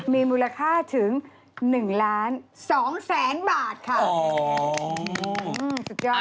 มีมูลค่าถึง๑ล้าน๒แสนบาทค่ะ